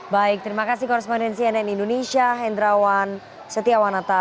baik terima kasih koresponden cnn indonesia hendrawan setiawanata